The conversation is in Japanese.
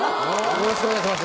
よろしくお願いします。